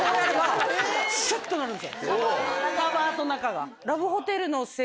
カバーと中が。